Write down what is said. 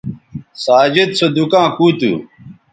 ساجد سو دُکاں کُو تھو